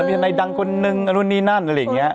เออมีธนัยดังคนนึงอันนู้นนี่นั่นอะไรอย่างเงี้ย